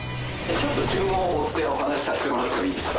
ちょっと順を追ってお話しさしてもらってもいいですか？